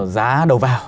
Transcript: giá đầu vào